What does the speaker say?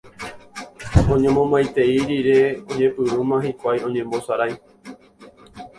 Oñomomaitei rire oñepyrũma hikuái oñembosarái